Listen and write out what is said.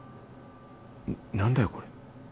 何だよこれ？